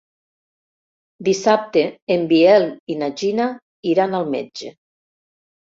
Dissabte en Biel i na Gina iran al metge.